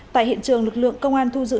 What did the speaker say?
tại hiện trường lực lượng công an thu giữ